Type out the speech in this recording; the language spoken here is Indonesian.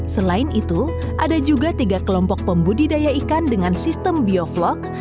selain itu ada juga tiga kelompok pembudidaya ikan dengan sistem biovlog